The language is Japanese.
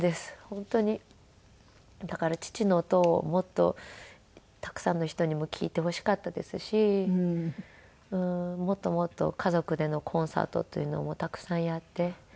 だから父の音をもっとたくさんの人にも聴いてほしかったですしもっともっと家族でのコンサートというのもたくさんやって。